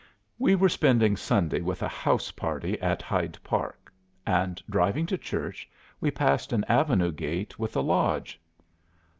"We were spending Sunday with a house party at Hyde Park; and driving to church, we passed an avenue gate with a lodge.